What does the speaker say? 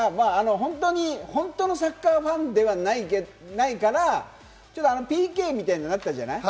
本当のサッカーファンではないから、ＰＫみたいになったじゃない。